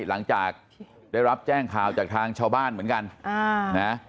หลังจากได้รับแจ้งข่าวจากทางชาวบ้านเหมือนกัน